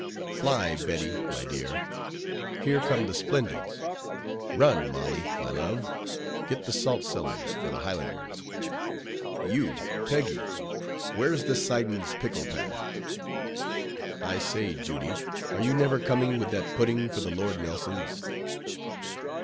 —"Fly, Betty, my dear, here come the Splendids."— "Run, Molly, my love; get the salt cellars for the Highlanders ."—"You Peggy, where's the Siddons' pickle pat?"—"I say, Judy, are you never coming with that pudding for the _Lord Nelsons?"